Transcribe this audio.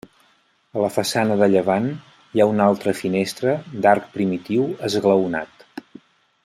A la façana de llevant hi ha una altra finestra d'arc primitiu esglaonat.